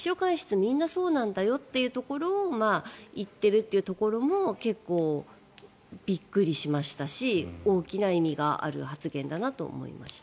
みんなそうなんだよというところを言っているところも結構、びっくりしましたし大きな意味がある発言だなと思いました。